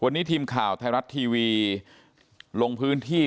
วันนี้ทีมข่าวไทยรัฐทีวีลงพื้นที่